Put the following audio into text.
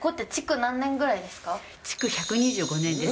築１２５年です。